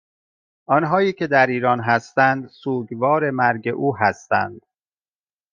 آنهایی که در ایران هستند سوگوار مرگ او هستند